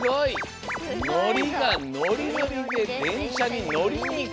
「のりがノリノリででんしゃにのりにいく」。